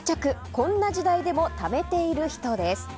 こんな時代でも貯めている人です。